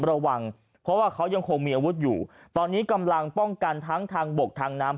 ระวังเพราะว่าเขายังคงมีอาวุธอยู่ตอนนี้กำลังป้องกันทั้งทางบกทางน้ำ